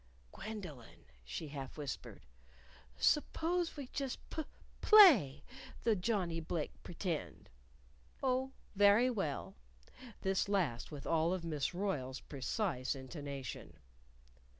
_ "Gwendolyn," she half whispered, "s'pose we just pu play the Johnnie Blake Pretend ... Oh, very well," this last with all of Miss Royle's precise intonation.